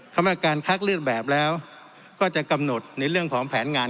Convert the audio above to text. กรรมการคัดเลือกแบบแล้วก็จะกำหนดในเรื่องของแผนงาน